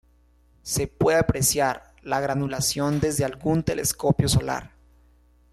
Se puede apreciar la granulación desde algún telescopio solar.